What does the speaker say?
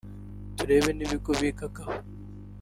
turebe n’ibigo bigagaho